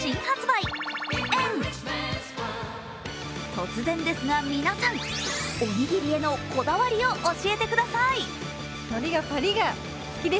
突然ですが、皆さん、おにぎりへのこだわりを教えてください。